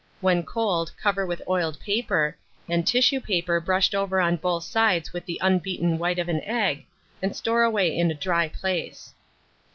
When cold, cover with oiled paper, and tissue paper brushed over on both sides with the unbeaten white of an egg, and store away in a dry place.